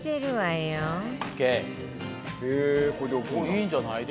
いいんじゃない？